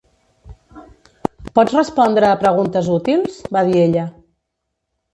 "Pots respondre a preguntes útils?", va dir ella.